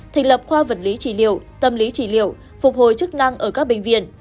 thành lập khoa vật lý trị liệu tâm lý chỉ liệu phục hồi chức năng ở các bệnh viện